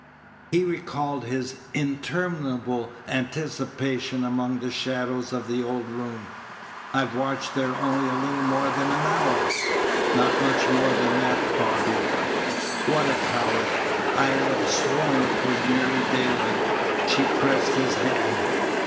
He recalled his interminable anticipation among the shadows of the old room. "I've watched there only a little more than an hour!" "Not much more than that, Bobby." "What a coward! I'd have sworn it was nearly daylight." She pressed his hand.